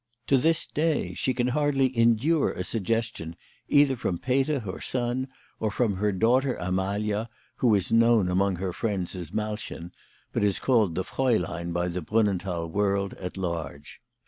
To this day she can hardly endure a sugges tion either from Peter her son or from her daughter Amalia, who is known among her friends as Malchen, but is called "the fraulein" by the Brunnenthal world at large.